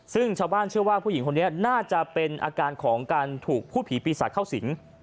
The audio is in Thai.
ซึ่งชาวบ้านเชื่อว่าผู้หญิงคนนี้น่าจะเป็นอาการของการถูกพูดผีปีศาจเข้าสิง